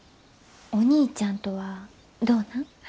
お兄ちゃんとはどうなん？